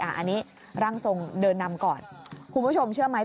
อันนี้ร่างทรงเดินนำก่อนคุณผู้ชมเชื่อไหม